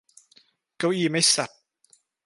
เก้าอี้มั้ยสัส !